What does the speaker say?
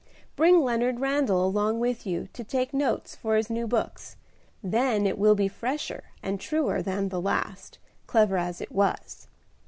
Bring Leonard Randal along with you to take notes for his new books; then it will be fresher and truer than the last, clever as it was.